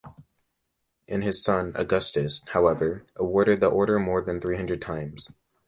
His son, Augustus, however, awarded the Order more than three hundred times.